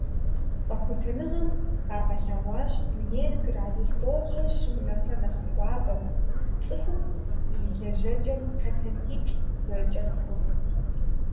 Къэхутэныгъэхэм къагъэлъэгъуащ дунейр градус тӏощӏрэ щым нэхърэ нэхъ хуабэмэ, цӀыхум и лэжьэкӀэм процентиплӏ зэрыкӀэрыхур.